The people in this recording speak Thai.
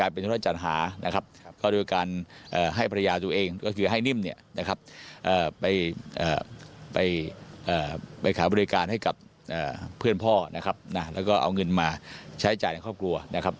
เพราะว่าเอาเงินมาใช้จ่ายในครอบครัวนะครับ